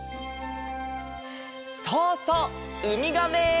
そうそうウミガメ！